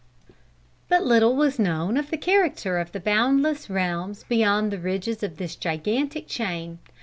But little was known of the character of the boundless realms beyond the ridges of this gigantic chain.